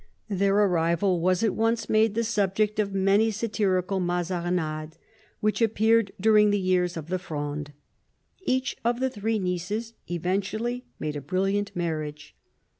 Their arrival was at once made the subject of many satirical Mazarinades which appeared during the years of the Fronde. Each of the three nieces eventu ally made a brilliant marriage.